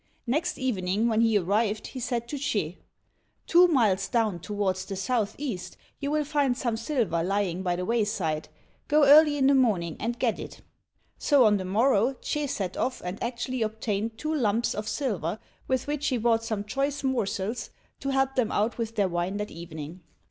Next evening when he arrived, he said to Ch'ê, "Two miles down towards the south east you will find some silver lying by the wayside. Go early in the morning and get it." So on the morrow Ch'ê set off and actually obtained two lumps of silver with which he bought some choice morsels to help them out with their wine that evening.